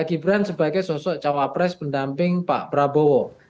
gibran sebagai sosok cawapres pendamping pak prabowo